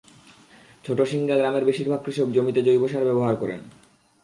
ছোট শিংগা গ্রামের বেশির ভাগ কৃষক জমিতে জৈব সার ব্যবহার করেন।